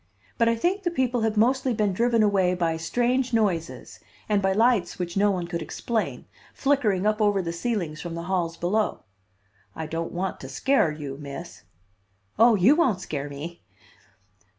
But I think the people have mostly been driven away by strange noises and by lights which no one could explain, flickering up over the ceilings from the halls below. I don't want to scare you, Miss " "Oh, you won't scare me."